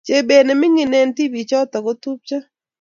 Chebet nemining eng tibiichoto chetupcho